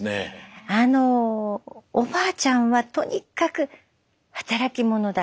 あのおばあちゃんはとにかく働き者だった。